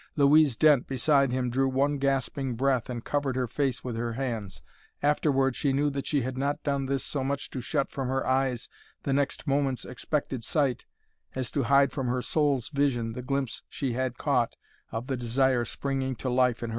Louise Dent, beside him, drew one gasping breath and covered her face with her hands. Afterward she knew that she had not done this so much to shut from her eyes the next moment's expected sight as to hide from her soul's vision the glimpse she had caught of the desire springing to life in her own heart.